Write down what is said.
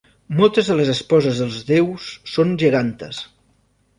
Moltes de les esposes dels déus són gegantes.